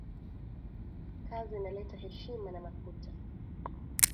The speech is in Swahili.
Kazi inaleta heshima na makuta